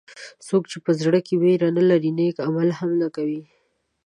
څوک چې په زړه کې وېره نه لري نیک عمل هم نه کوي.